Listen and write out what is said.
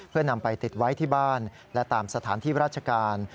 เพื่อนำไปติดไว้ที่บ้านและตามสถานที่ราชการ